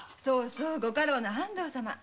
そうご家老の安藤様。